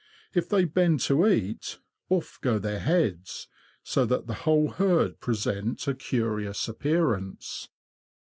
If they bend to eat, off go their heads, so that the whole herd present a curious appearance.